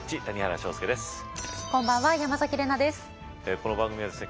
この番組はですね